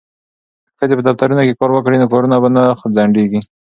که ښځې په دفترونو کې کار وکړي نو کارونه به نه ځنډیږي.